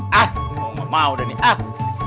hah mau mau udah nih hah